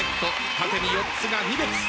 縦に４つが２列。